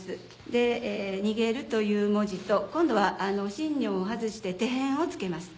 で「逃げる」という文字と今度はしんにょうを外して手偏を付けます。